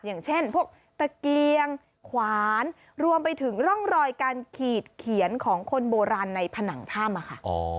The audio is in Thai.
อย่างเช่นพวกตะเกียงขวานรวมไปถึงร่องรอยการขีดเขียนของคนโบราณในผนังถ้ำอะค่ะ